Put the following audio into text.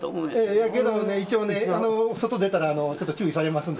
やけどね、一応ね、外出たらちょっと注意されますので。